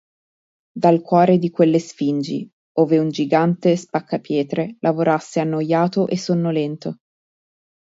Dal cuore di quelle sfingi, ove un gigante spaccapietre lavorasse annoiato e sonnolento.